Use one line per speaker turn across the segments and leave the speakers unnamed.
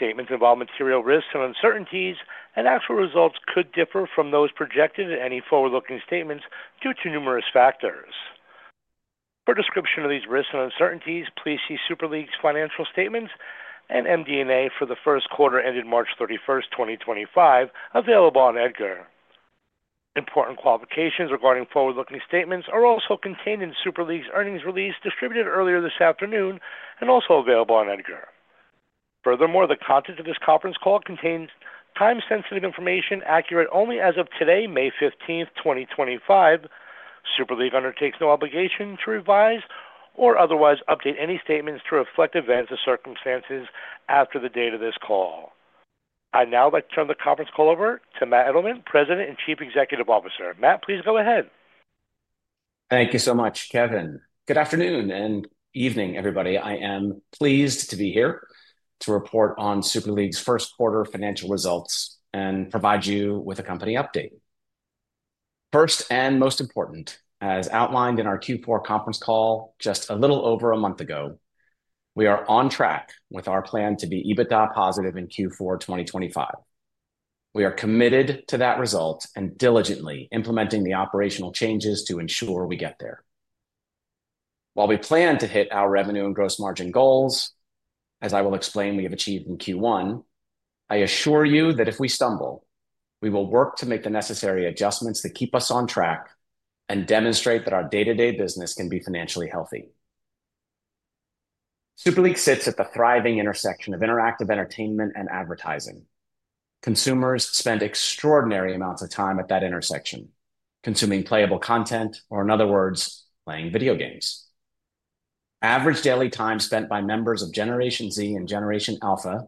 Statements involve material risks and uncertainties, and actual results could differ from those projected in any forward-looking statements due to numerous factors. For a description of these risks and uncertainties, please see Super League's financial statements and MD&A for the first quarter ended March 31st, 2025, available on EDGAR. Important qualifications regarding forward-looking statements are also contained in Super League's earnings release distributed earlier this afternoon and also available on Edgar. Furthermore, the content of this conference call contains time-sensitive information accurate only as of today, May 15th, 2025. Super League undertakes no obligation to revise or otherwise update any statements to reflect events or circumstances after the date of this call. I'd now like to turn the conference call over to Matt Edelman, President and Chief Executive Officer. Matt, please go ahead.
Thank you so much, Kevin. Good afternoon and evening, everybody. I am pleased to be here to report on Super League's first quarter financial results and provide you with a company update. First and most important, as outlined in our Q4 conference call just a little over a month ago, we are on track with our plan to be EBITDA positive in Q4 2025. We are committed to that result and diligently implementing the operational changes to ensure we get there. While we plan to hit our revenue and gross margin goals, as I will explain we have achieved in Q1, I assure you that if we stumble, we will work to make the necessary adjustments to keep us on track and demonstrate that our day-to-day business can be financially healthy. Super League sits at the thriving intersection of interactive entertainment and advertising. Consumers spend extraordinary amounts of time at that intersection, consuming playable content or, in other words, playing video games. Average daily time spent by members of Generation Z and Generation Alpha,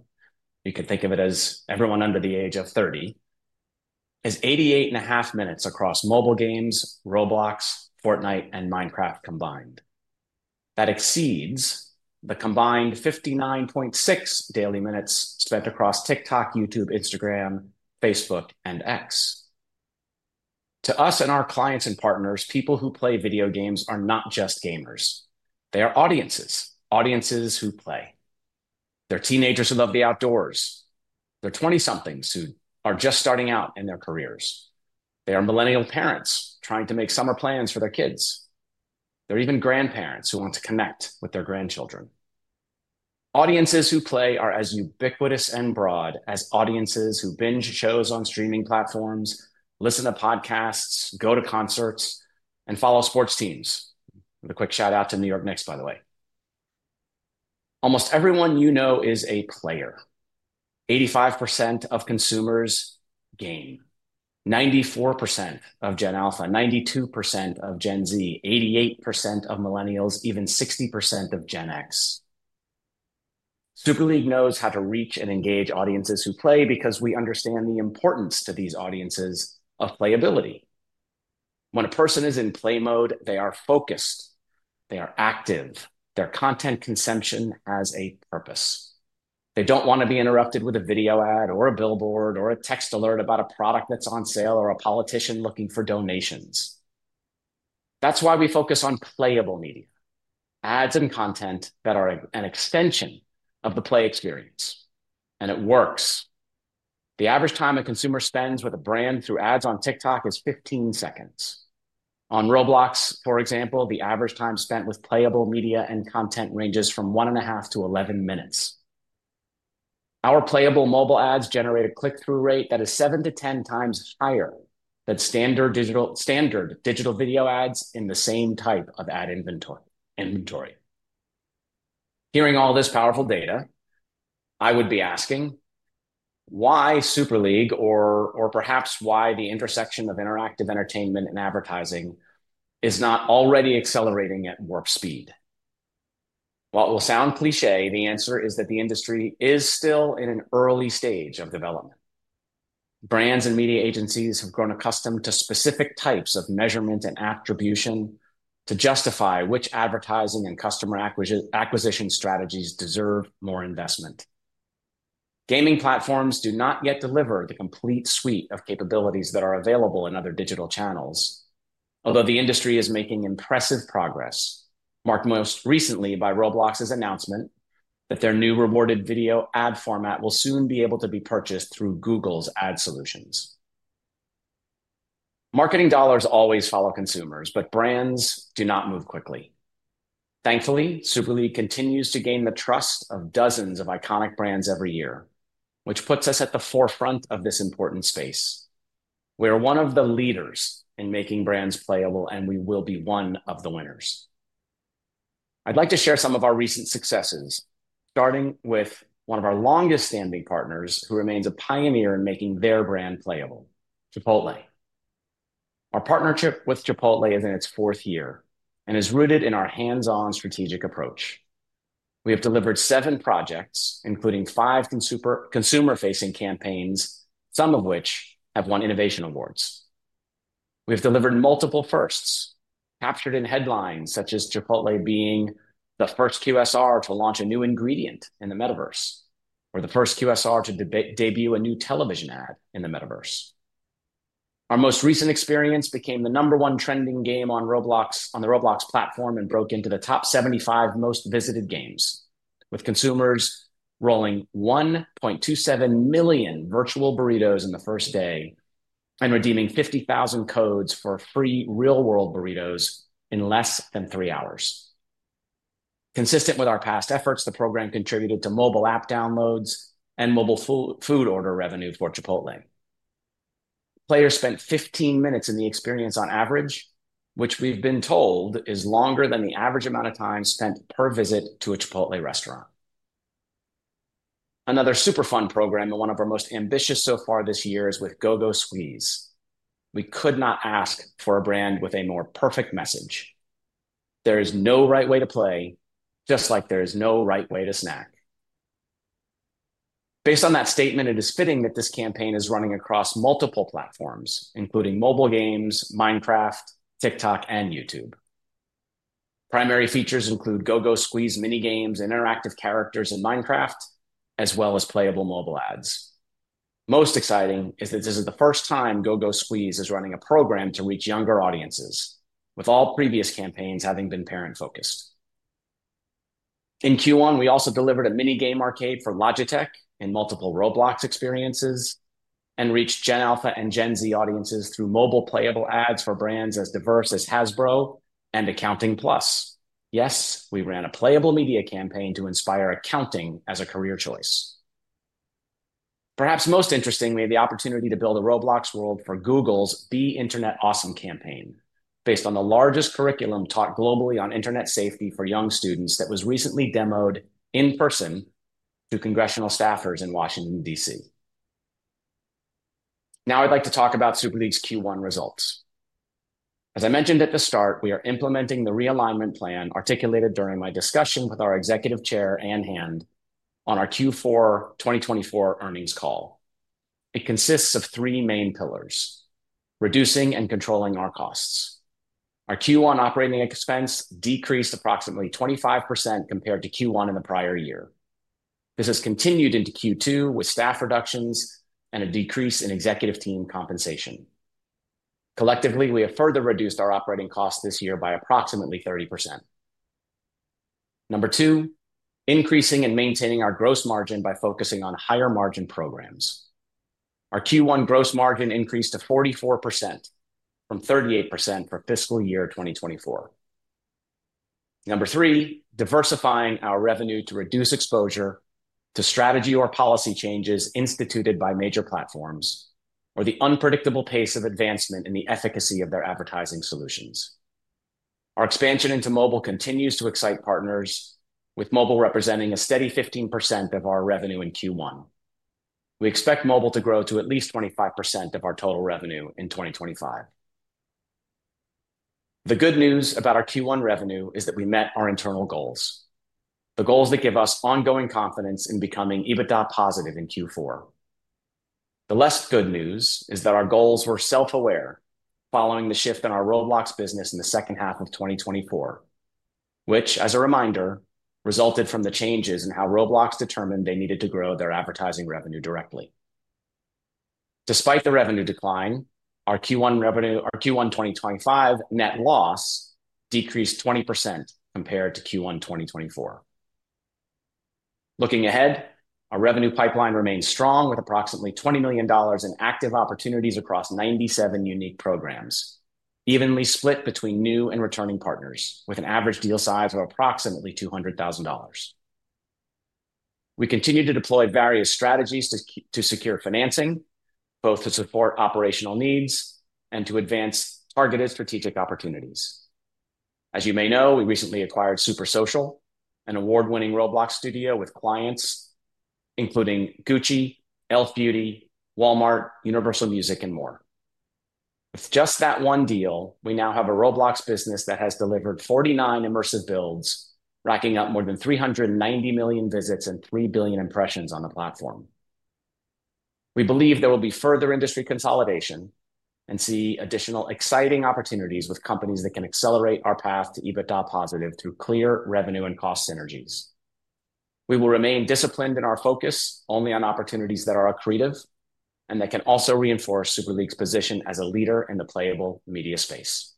you can think of it as everyone under the age of 30, is 88.5 minutes across mobile games, Roblox, Fortnite, and Minecraft combined. That exceeds the combined 59.6 daily minutes spent across TikTok, YouTube, Instagram, Facebook, and X. To us and our clients and partners, people who play video games are not just gamers. They are audiences, audiences who play. They're teenagers who love the outdoors. They're 20-somethings who are just starting out in their careers. They are millennial parents trying to make summer plans for their kids. There are even grandparents who want to connect with their grandchildren. Audiences who play are as ubiquitous and broad as audiences who binge shows on streaming platforms, listen to podcasts, go to concerts, and follow sports teams. With a quick shout-out to New York Knicks, by the way. Almost everyone you know is a player. 85% of consumers game. 94% of Gen Alpha, 92% of Gen Z, 88% of millennials, even 60% of Gen X. Super League knows how to reach and engage audiences who play because we understand the importance to these audiences of playability. When a person is in play mode, they are focused. They are active. Their content consumption has a purpose. They do not want to be interrupted with a video ad or a billboard or a text alert about a product that is on sale or a politician looking for donations. That's why we focus on playable media, ads and content that are an extension of the play experience. It works. The average time a consumer spends with a brand through ads on TikTok is 15 seconds. On Roblox, for example, the average time spent with playable media and content ranges from one and a half to 11 minutes. Our playable mobile ads generate a click-through rate that is 7x-10x higher than standard digital video ads in the same type of ad inventory. Hearing all this powerful data, I would be asking, why Super League, or perhaps why the intersection of interactive entertainment and advertising, is not already accelerating at warp speed? While it will sound cliché, the answer is that the industry is still in an early stage of development. Brands and media agencies have grown accustomed to specific types of measurement and attribution to justify which advertising and customer acquisition strategies deserve more investment. Gaming platforms do not yet deliver the complete suite of capabilities that are available in other digital channels, although the industry is making impressive progress, marked most recently by Roblox's announcement that their new rewarded video ad format will soon be able to be purchased through Google's ad solutions. Marketing dollars always follow consumers, but brands do not move quickly. Thankfully, Super League continues to gain the trust of dozens of iconic brands every year, which puts us at the forefront of this important space. We are one of the leaders in making brands playable, and we will be one of the winners. I'd like to share some of our recent successes, starting with one of our longest-standing partners who remains a pioneer in making their brand playable, Chipotle. Our partnership with Chipotle is in its fourth year and is rooted in our hands-on strategic approach. We have delivered seven projects, including five consumer-facing campaigns, some of which have won innovation awards. We have delivered multiple firsts, captured in headlines such as Chipotle being the first QSR to launch a new ingredient in the metaverse, or the first QSR to debut a new television ad in the metaverse. Our most recent experience became the number one trending game on the Roblox platform and broke into the top 75 most visited games, with consumers rolling 1.27 million virtual burritos in the first day and redeeming 50,000 codes for free real-world burritos in less than three hours. Consistent with our past efforts, the program contributed to mobile app downloads and mobile food order revenue for Chipotle. Players spent 15 minutes in the experience on average, which we've been told is longer than the average amount of time spent per visit to a Chipotle restaurant. Another super fun program and one of our most ambitious so far this year is with GoGo squeeZ. We could not ask for a brand with a more perfect message. There is no right way to play, just like there is no right way to snack. Based on that statement, it is fitting that this campaign is running across multiple platforms, including mobile games, Minecraft, TikTok, and YouTube. Primary features include GoGo squeeZ mini games and interactive characters in Minecraft, as well as playable mobile ads. Most exciting is that this is the first time GoGo squeeZ is running a program to reach younger audiences, with all previous campaigns having been parent-focused. In Q1, we also delivered a mini game arcade for Logitech and multiple Roblox experiences and reached Gen Alpha and Gen Z audiences through mobile playable ads for brands as diverse as Hasbro and Accounting+. Yes, we ran a playable media campaign to inspire accounting as a career choice. Perhaps most interestingly, the opportunity to build a Roblox world for Google's Be Internet Awesome campaign, based on the largest curriculum taught globally on internet safety for young students that was recently demoed in person to congressional staffers in Washington, D.C. Now I'd like to talk about Super League's Q1 results. As I mentioned at the start, we are implementing the realignment plan articulated during my discussion with our Executive Chair, Ann Hand, on our Q4 2024 Earnings Call. It consists of three main pillars: reducing and controlling our costs. Our Q1 operating expense decreased approximately 25% compared to Q1 in the prior year. This has continued into Q2 with staff reductions and a decrease in executive team compensation. Collectively, we have further reduced our operating costs this year by approximately 30%. Number two, increasing and maintaining our gross margin by focusing on higher margin programs. Our Q1 gross margin increased to 44% from 38% for fiscal year 2024. Number three, diversifying our revenue to reduce exposure to strategy or policy changes instituted by major platforms or the unpredictable pace of advancement in the efficacy of their advertising solutions. Our expansion into mobile continues to excite partners, with mobile representing a steady 15% of our revenue in Q1. We expect mobile to grow to at least 25% of our total revenue in 2025. The good news about our Q1 revenue is that we met our internal goals, the goals that give us ongoing confidence in becoming EBITDA positive in Q4. The less good news is that our goals were self-aware following the shift in our Roblox business in the second half of 2024, which, as a reminder, resulted from the changes in how Roblox determined they needed to grow their advertising revenue directly. Despite the revenue decline, our Q1 2025 net loss decreased 20% compared to Q1 2024. Looking ahead, our revenue pipeline remains strong with approximately $20 million in active opportunities across 97 unique programs, evenly split between new and returning partners, with an average deal size of approximately $200,000. We continue to deploy various strategies to secure financing, both to support operational needs and to advance targeted strategic opportunities. As you may know, we recently acquired Super Social, an award-winning Roblox studio with clients including Gucci, Elf Beauty, Walmart, Universal Music, and more. With just that one deal, we now have a Roblox business that has delivered 49 immersive builds, racking up more than 390 million visits and 3 billion impressions on the platform. We believe there will be further industry consolidation and see additional exciting opportunities with companies that can accelerate our path to EBITDA positive through clear revenue and cost synergies. We will remain disciplined in our focus only on opportunities that are accretive and that can also reinforce Super League's position as a leader in the playable media space.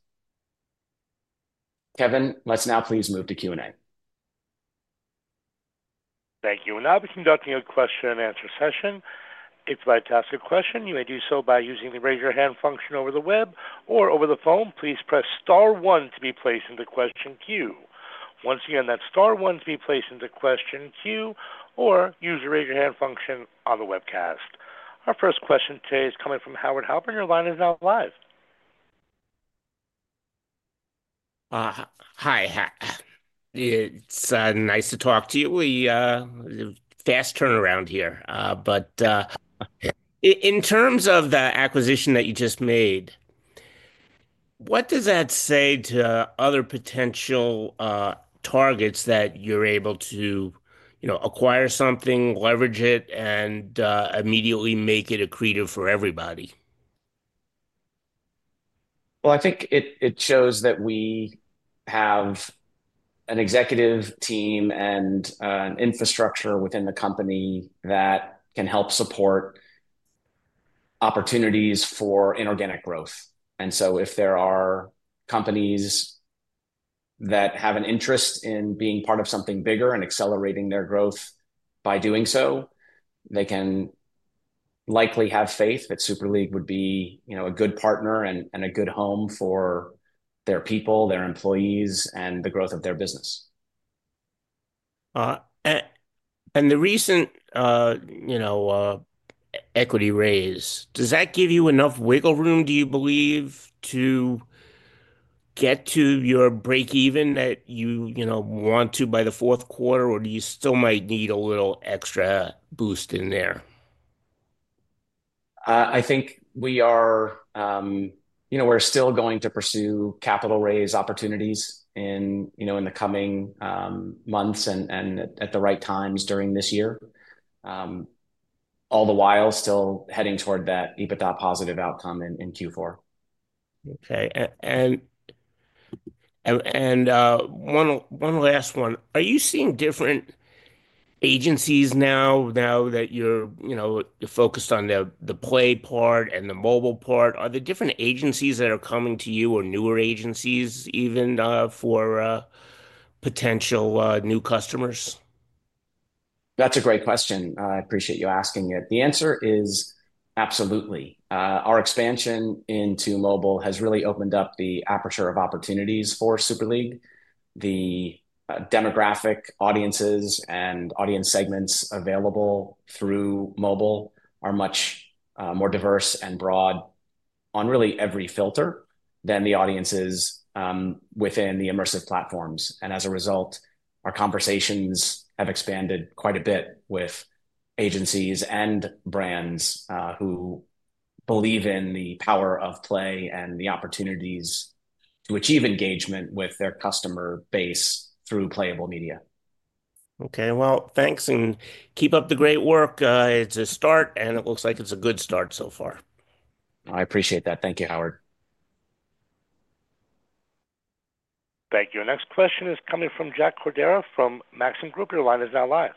Kevin, let's now please move to Q&A.
Thank you. Now, before we conduct a question-and-answer session, if you'd like to ask a question, you may do so by using the raise-your-hand function over the web or over the phone. Please press star one to be placed in the question queue. Once again, that's star one to be placed in the question queue or use the raise-your-hand function on the webcast. Our first question today is coming from Howard Halpern. Your line is now live. Hi. It's nice to talk to you. We have a fast turnaround here. In terms of the acquisition that you just made, what does that say to other potential targets that you're able to acquire something, leverage it, and immediately make it accretive for everybody?
I think it shows that we have an executive team and an infrastructure within the company that can help support opportunities for inorganic growth. And so if there are companies that have an interest in being part of something bigger and accelerating their growth by doing so, they can likely have faith that Super League would be a good partner and a good home for their people, their employees, and the growth of their business. The recent equity raise, does that give you enough wiggle room, do you believe, to get to your break-even that you want to by the fourth quarter, or do you still might need a little extra boost in there? I think we are still going to pursue capital raise opportunities in the coming months and at the right times during this year, all the while still heading toward that EBITDA positive outcome in Q4. Okay. One last one. Are you seeing different agencies now that you're focused on the play part and the mobile part? Are there different agencies that are coming to you or newer agencies even for potential new customers? That's a great question. I appreciate you asking it. The answer is absolutely. Our expansion into mobile has really opened up the aperture of opportunities for Super League. The demographic audiences and audience segments available through mobile are much more diverse and broad on really every filter than the audiences within the immersive platforms. As a result, our conversations have expanded quite a bit with agencies and brands who believe in the power of play and the opportunities to achieve engagement with their customer base through playable media. Okay. Thanks, and keep up the great work. It's a start, and it looks like it's a good start so far. I appreciate that. Thank you, Howard.
Thank you. Our next question is coming from Jack Cordero from Maxim Group. Your line is now live.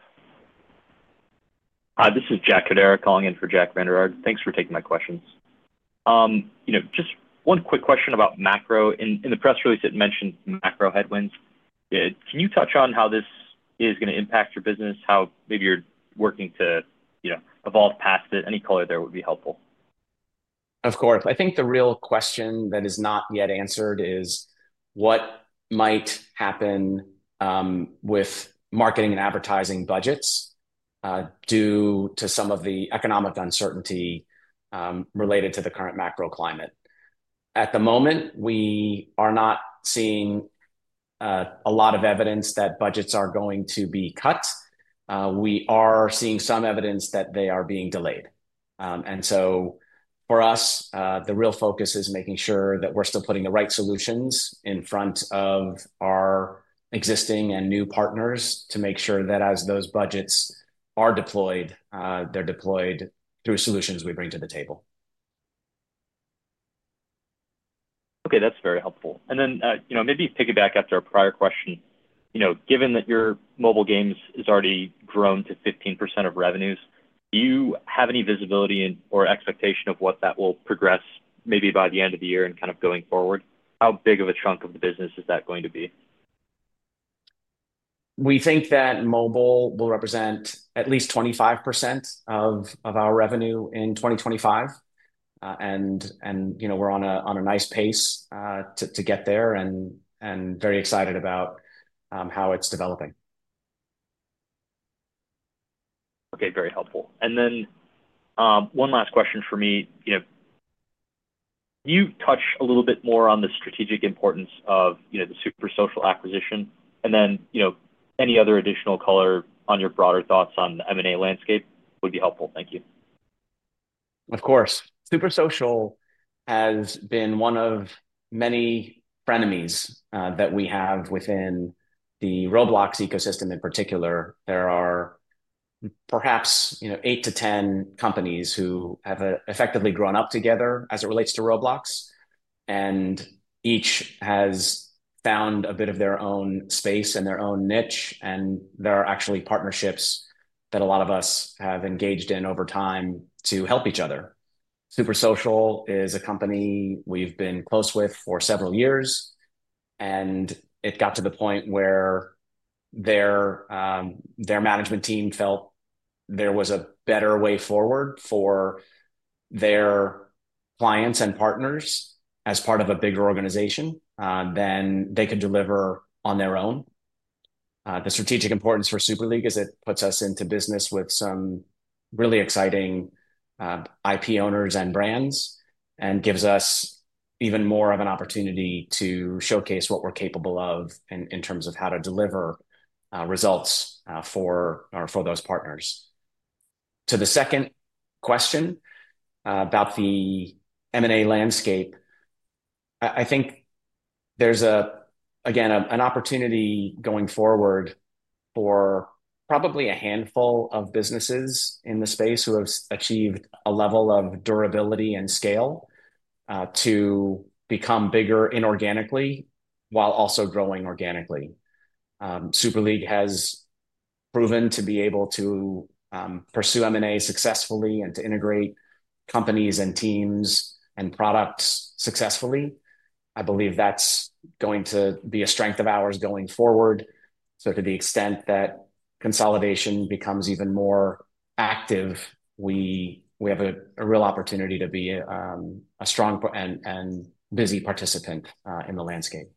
Hi, this is Jack Cordero calling in for Jack Vande Arg. Thanks for taking my questions. Just one quick question about macro. In the press release, it mentioned macro headwinds. Can you touch on how this is going to impact your business, how maybe you're working to evolve past it? Any color there would be helpful.
Of course. I think the real question that is not yet answered is what might happen with marketing and advertising budgets due to some of the economic uncertainty related to the current macro climate. At the moment, we are not seeing a lot of evidence that budgets are going to be cut. We are seeing some evidence that they are being delayed. For us, the real focus is making sure that we're still putting the right solutions in front of our existing and new partners to make sure that as those budgets are deployed, they're deployed through solutions we bring to the table. Okay. That's very helpful. Maybe piggyback after our prior question, given that your mobile games has already grown to 15% of revenues, do you have any visibility or expectation of what that will progress maybe by the end of the year and kind of going forward? How big of a chunk of the business is that going to be? We think that mobile will represent at least 25% of our revenue in 2025. We are on a nice pace to get there and very excited about how it is developing. Okay. Very helpful. One last question for me. Can you touch a little bit more on the strategic importance of the Super Social acquisition? Any other additional color on your broader thoughts on the M&A landscape would be helpful. Thank you. Of course. Super Social has been one of many frenemies that we have within the Roblox ecosystem in particular. There are perhaps 8-10 companies who have effectively grown up together as it relates to Roblox. Each has found a bit of their own space and their own niche. There are actually partnerships that a lot of us have engaged in over time to help each other. Super Social is a company we've been close with for several years. It got to the point where their management team felt there was a better way forward for their clients and partners as part of a bigger organization than they could deliver on their own. The strategic importance for Super League is it puts us into business with some really exciting IP owners and brands and gives us even more of an opportunity to showcase what we're capable of in terms of how to deliver results for those partners. To the second question about the M&A landscape, I think there's, again, an opportunity going forward for probably a handful of businesses in the space who have achieved a level of durability and scale to become bigger inorganically while also growing organically. Super League has proven to be able to pursue M&A successfully and to integrate companies and teams and products successfully. I believe that's going to be a strength of ours going forward. To the extent that consolidation becomes even more active, we have a real opportunity to be a strong and busy participant in the landscape.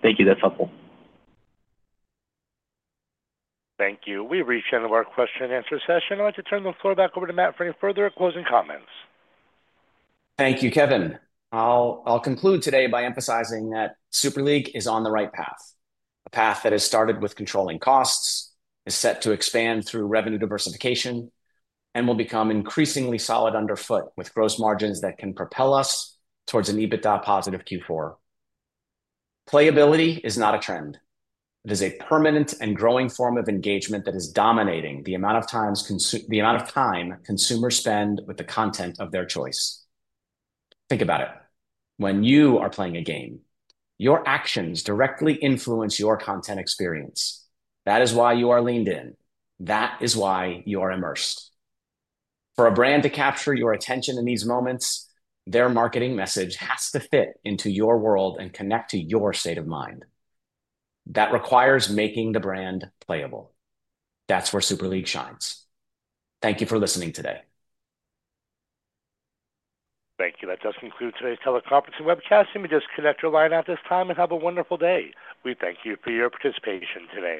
Thank you. That's helpful.
Thank you. We have reached the end of our question-and-answer session. I would like to turn the floor back over to Matt for any further closing comments.
Thank you, Kevin. I'll conclude today by emphasizing that Super League is on the right path, a path that has started with controlling costs, is set to expand through revenue diversification, and will become increasingly solid underfoot with gross margins that can propel us towards an EBITDA positive Q4. Playability is not a trend. It is a permanent and growing form of engagement that is dominating the amount of time consumers spend with the content of their choice. Think about it. When you are playing a game, your actions directly influence your content experience. That is why you are leaned in. That is why you are immersed. For a brand to capture your attention in these moments, their marketing message has to fit into your world and connect to your state of mind. That requires making the brand playable. That's where Super League shines. Thank you for listening today.
Thank you. That does conclude today's teleconference and webcast. We will disconnect your line at this time and have a wonderful day. We thank you for your participation today.